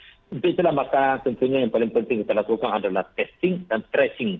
untuk itulah maka tentunya yang paling penting kita lakukan adalah testing dan tracing